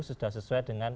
sudah sesuai dengan